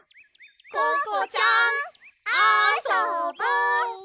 ココちゃんあそぼ！